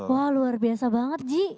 wah luar biasa banget ji